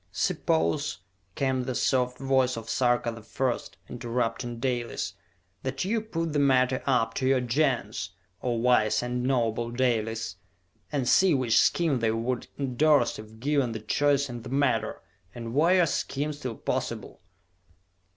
"Suppose," came the soft voice of Sarka the First, interrupting Dalis, "that you put the matter up to your Gens, O wise and noble Dalis, and see which scheme they would endorse if given the choice in the matter and were your scheme still possible!"